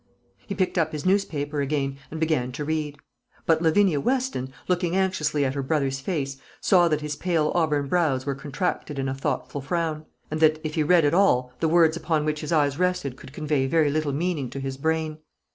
He picked up his newspaper again, and began to read. But Lavinia Weston, looking anxiously at her brother's face, saw that his pale auburn brows were contracted in a thoughtful frown, and that, if he read at all, the words upon which his eyes rested could convey very little meaning to his brain.